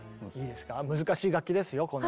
難しい楽器ですよこの。